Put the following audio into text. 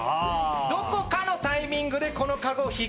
どこかのタイミングでこのカゴをひっくり返します。